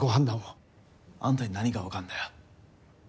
あんたに何が分かんだよ。